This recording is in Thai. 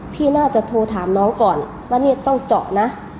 พี่น่าจะโทรถามน้องก่อนว่านี่ต้องเจาะนะ